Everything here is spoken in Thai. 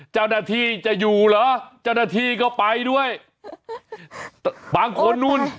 เจ้าหน้าที่จะอยู่เหรอเจ้าหน้าที่ก็ไปด้วยบางคนนู่น